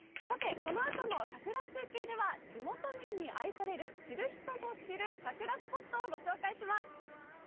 さてこのあとの桜中継では地元民に愛される知る人ぞ知る桜スポットを御紹介します。